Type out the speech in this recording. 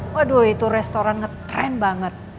waduh itu restoran ngetrend banget